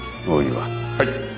はい。